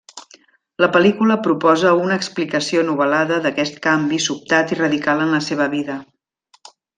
La pel·lícula proposa una explicació novel·lada d'aquest canvi sobtat i radical en la seva vida.